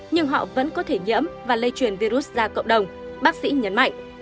nhưng họ vẫn có thể nhiễm và lây truyền virus ra cộng đồng bác sĩ nhấn mạnh